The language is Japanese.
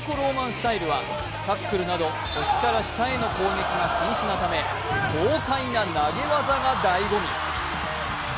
スタイルはタックルなど腰から下への攻撃が禁止なため、豪快な投げ技がだいご味。